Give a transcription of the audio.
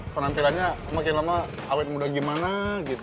penampilannya makin lama awet muda gimana